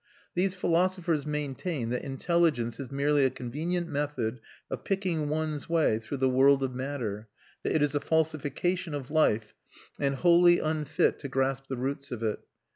These philosophers maintain that intelligence is merely a convenient method of picking one's way through the world of matter, that it is a falsification of life, and wholly unfit to grasp the roots of it.